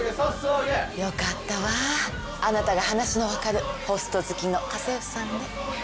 よかったわあなたが話のわかるホスト好きの家政婦さんで。